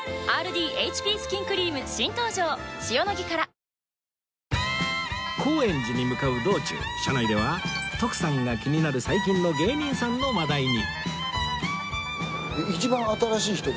便質改善でラクに出す高円寺に向かう道中車内では徳さんが気になる最近の芸人さんの話題に